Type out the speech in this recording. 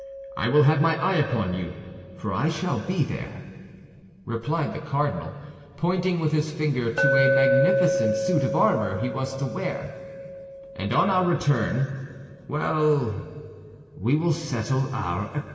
I will have my eye upon you, for I shall be there," replied the cardinal, pointing with his finger to a magnificent suit of armor he was to wear, "and on our return, well—we will settle our account!"